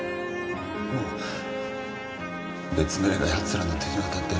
もう別の絵が奴らの手に渡ってる。